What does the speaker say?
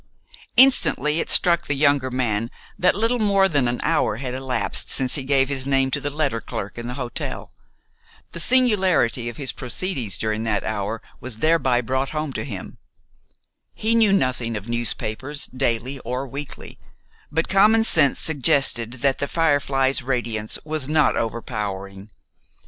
Instantly it struck the younger man that little more than an hour had elapsed since he gave his name to the letter clerk in the hotel. The singularity of his proceedings during that hour was thereby brought home to him. He knew nothing of newspapers, daily or weekly; but commonsense suggested that "The Firefly's" radiance was not over powering.